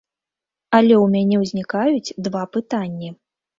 Але ў мяне узнікаюць два пытанні.